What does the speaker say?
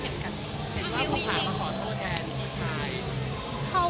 เห็นว่าผู้หาเขาขอโทษแทนผู้ชาย